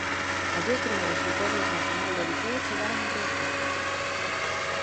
As dúas primeiras vitorias na final do Liceo chegaron en Riazor.